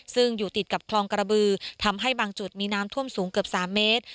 ซึ่งอยู่ติดกับคลองกระบือทำให้บางจุดมีน้ำท่วมสูงเกือบ๓เมตร